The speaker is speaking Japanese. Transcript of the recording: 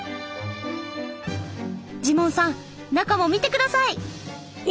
ジモンさん中も見て下さい！